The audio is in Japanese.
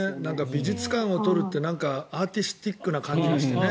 美術館を撮るってアーティスティックな感じがしてね。